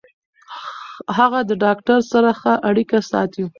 هغه د ډاکټر سره ښه اړیکه ساتي.